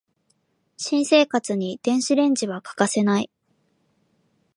新生活に電子レンジは欠かせない